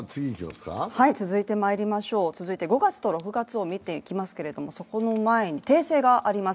続いて、５月と６月を見ていきますけれども、その前に訂正があります。